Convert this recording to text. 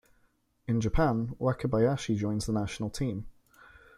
In Japan, Wakabayashi joins the national team.